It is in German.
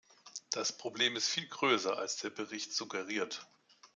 Das Problem ist viel größer, als der Bericht suggeriert.